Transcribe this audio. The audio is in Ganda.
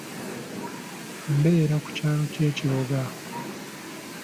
Mbeera ku kyalo ky'ekiboga.